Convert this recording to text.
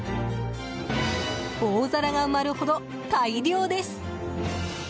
大皿が埋まるほど大量です！